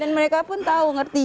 dan mereka pun tahu ngerti